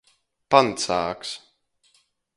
Pancāgs.